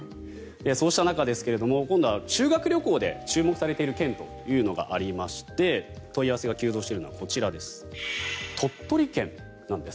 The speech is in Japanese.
そうした中ですが今度は修学旅行で注目されている県がありまして問い合わせが急増しているのは鳥取県なんです。